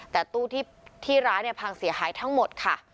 แต่ตู้ที่ร้านเนี่ยพังเสียหายทั้งหมดค่ะ